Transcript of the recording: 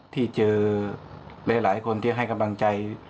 ที่เจอหลายคนที่ให้กำลังใจ